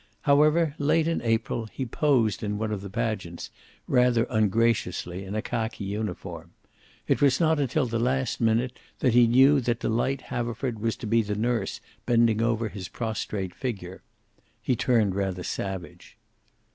However, late in April, he posed in one of the pageants, rather ungraciously, in a khaki uniform. It was not until the last minute that he knew that Delight Haverford was to be the nurse bending over his prostrate figure. He turned rather savage.